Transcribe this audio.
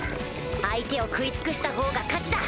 相手を食い尽くしたほうが勝ちだ！